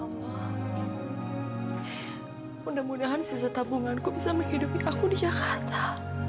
mudah mudahan sisa tabunganku bisa menghidupi aku di jakarta